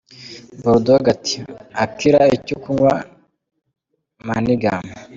Bull Dogg ati: "Akira icyo kunywa ma nigga!!!!".